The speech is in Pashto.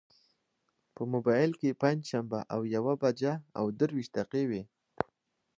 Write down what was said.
په مبایل کې پنجشنبه او یوه بجه او دېرش دقیقې وې.